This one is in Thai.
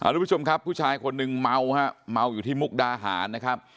ทุกผู้ชมครับผู้ชายคนหนึ่งเมาฮะเมาอยู่ที่มุกดาหารนะครับ